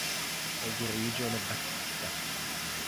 È di religione battista.